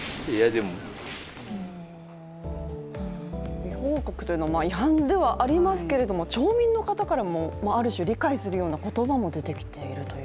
未報告というのは違反ではありますけれども町民の方からもある種、理解するような言葉も出てきているという。